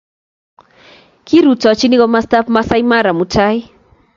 Kirutochini komastab Maasai Mara mutai.